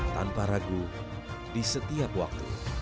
tanpa ragu di setiap waktu